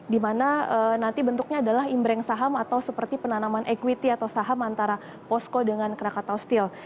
dimana nanti bentuknya adalah imbreng saham atau seperti penanaman equity atau saham antara posko dengan krakatau steel